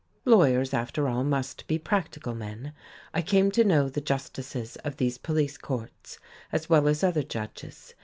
Lawyers, after all, must be practical men. I came to know the justices of these police courts, as well as other judges.